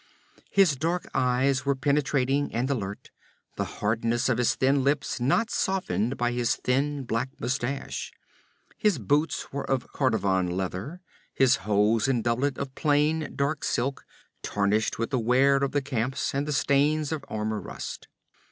His dark eyes were penetrating and alert, the hardness of his thin lips not softened by his thin black mustache. His boots were of Kordavan leather, his hose and doublet of plain, dark silk, tarnished with the wear of the camps and the stains of armor rust.